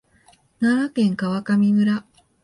奈良県川上村